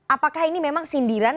apakah ini memang sindiran